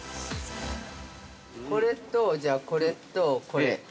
◆これと、じゃあ、これとこれ。